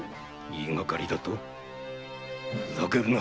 言いがかりだとふざけるな！